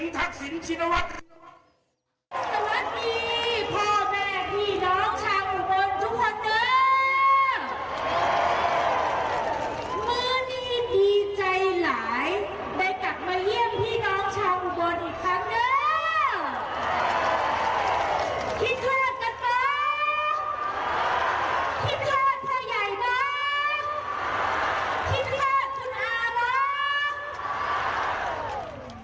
ที่ใจหลายได้กลับมาเยี่ยมพี่น้องชาวอุบลอีกครั้งเดียว